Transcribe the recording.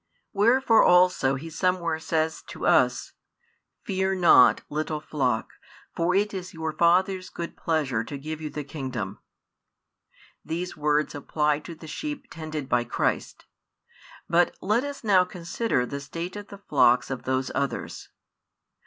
Wherefore also He somewhere says to us: Fear not, little flock; for it is your Father's good pleasure to give you the kingdom. These words apply to the sheep tended by Christ: but let us now consider the state of the flocks of those others.